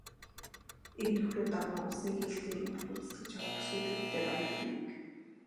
"Эр нөхрөө даган улсын хил дээр үүрэг гүйцэтгэж яваа бүсгүйчүүддээ баяр хүргэе" гэв.